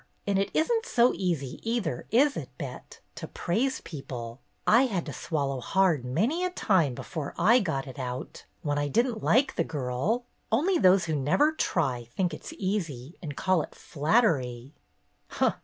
And it is n't so easy either, is it, Bet, to praise people ? I had to swallow hard many a time before I got it out, when I did n't like the girl. Only those who never try think it's easy and call it flattery."